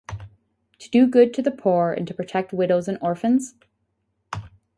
To do good to the poor and to protect widows and orphans?